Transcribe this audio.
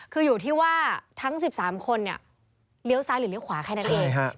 คืออยู่ที่ว่าทั้ง๑๓คนเนี่ยเลี้ยวซ้ายหรือเลี้ยขวาแค่นั้นเอง